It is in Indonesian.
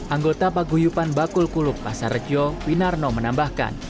anggota paguyupan bakul kuluk pasar rejo winarno menambahkan